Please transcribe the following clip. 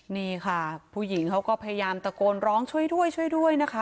นี่ค่ะผู้หญิงเขาก็พยายามตะโกนร้องช่วยด้วยช่วยด้วยนะคะ